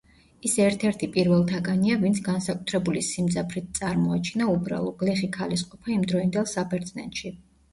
ის ერთ–ერთი პირველთაგანია, ვინც განსაკუთრებული სიმძაფრით წარმოაჩინა უბრალო, გლეხი ქალის ყოფა იმდროინდელ საბერძნეთში.